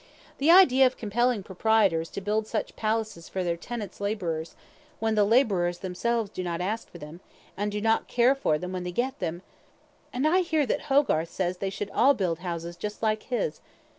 The idea of compelling proprietors to build such palaces for their tenants' labourers, when the labourers themselves do not ask for them, and do not care for them when they get them! and I hear that Hogarth says they should all build houses just like his.